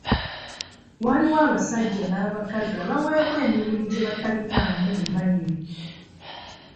Waliwo abasajja n’abakazi abaweebwa emirimu gye batalinaamu bumanyirivu.